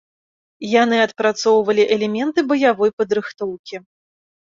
Яны адпрацоўвалі элементы баявой падрыхтоўкі.